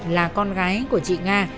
là con gái của chị nga